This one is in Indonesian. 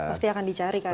pasti akan dicari kali ya